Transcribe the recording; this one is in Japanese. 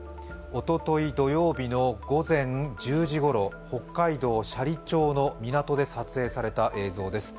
おととい土曜日の午前１０時ごろ、北海道斜里町の港で撮影された映像です。